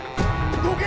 どけ！